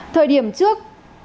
thời điểm trước